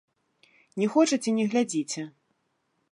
Не хочаце, не глядзіце!